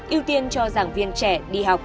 yêu tiên cho giảng viên trẻ đi học